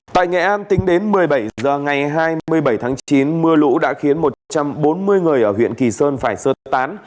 tại nghệ an tính đến một mươi bảy h ngày hai mươi bảy tháng chín mưa lũ đã khiến một trăm bốn mươi người ở huyện kỳ sơn phải sơ tán